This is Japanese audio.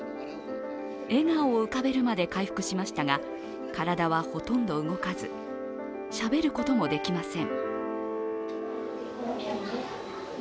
笑顔を浮かべるまで回復しましたが、体はほとんど動かずしゃべることもできません。